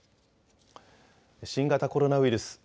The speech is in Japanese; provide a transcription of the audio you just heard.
新型コロナウイルス。